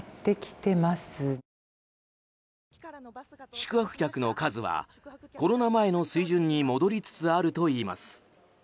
宿泊客の数はコロナ前の水準に戻りつつあるといいます。